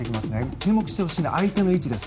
注目してほしいのは相手の位置です。